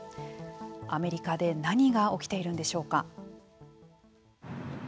アメリカで何が起きているんでしょうか。